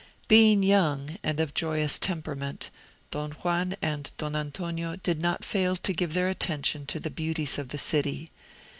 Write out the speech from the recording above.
Being young, and of joyous temperament, Don Juan and Don Antonio did not fail to give their attention to the beauties of the city.